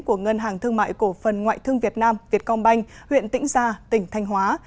của ngân hàng thương mại cổ phần ngoại thương việt nam việt công banh huyện tĩnh gia tỉnh thanh hóa